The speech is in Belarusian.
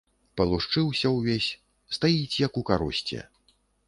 Палушчыўся ўвесь, стаіць, як у каросце.